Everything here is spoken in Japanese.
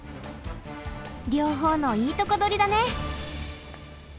両方のいいとこどりだね。